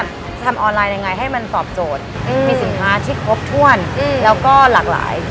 ทำออนไลน์ยังไงให้มันตอบโจทย์มีสินค้าที่ครบถ้วนแล้วก็หลากหลาย